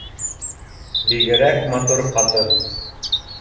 Бигерәк матур ҡатын